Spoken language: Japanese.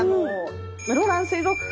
室蘭水族館